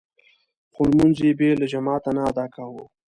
خو لمونځ يې بې له جماعته نه ادا کاوه.